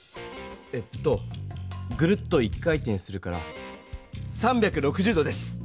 えっとグルッと一回転するから３６０度です。